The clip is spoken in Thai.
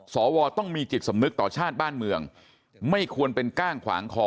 สวต้องมีจิตสำนึกต่อชาติบ้านเมืองไม่ควรเป็นก้างขวางคอ